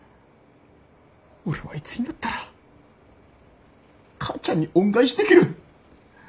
俺はいつになったら母ちゃんに恩返しできる？